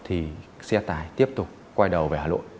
thì xe tải tiếp tục quay đầu về hà nội